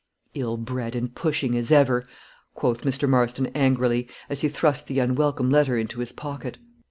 "Ill bred and pushing as ever," quoth Mr. Marston, angrily, as he thrust the unwelcome letter into his pocket.